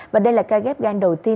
và đây là ca ghép gan đầu tiên